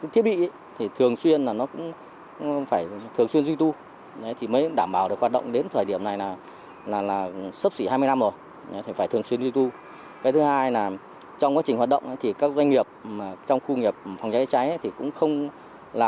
trong quá trình hoạt động các doanh nghiệp trong khu công nghiệp phòng trái trịa trái cũng không là